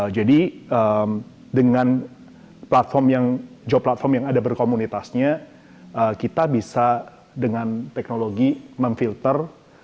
jadi dengan job platform yang ada berkomunitasnya kita bisa dengan teknologi memfilter